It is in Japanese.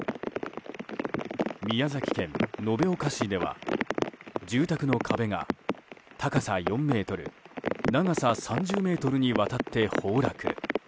宮崎県延岡市では、住宅の壁が高さ４ｍ長さ３０ｍにわたって崩落。